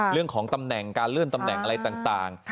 เรื่องของตำแหน่งการเลื่อนตำแหน่งอะไรต่าง